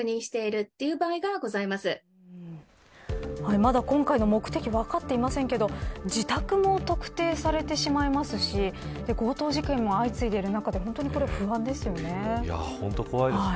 まだ、今回の目的分かっていませんけど自宅も特定されてしまいますし強盗事件も相次いでいる中で本当に不安ですよね。